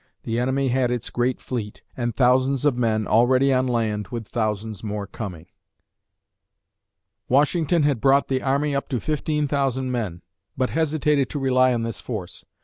The enemy had its great fleet, and thousands of men already on land with thousands more coming. Washington had brought the army up to fifteen thousand men, but hesitated to rely on this force.